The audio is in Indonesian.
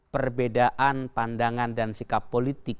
perbedaan pandangan dan sikap politik